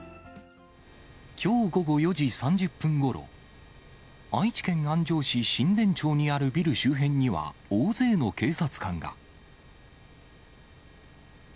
きょう午後４時３０分ごろ、愛知県安城市新田町にあるビル周辺には、大勢の警察官が。